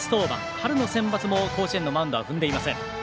春のセンバツも甲子園のマウンド踏んでいません。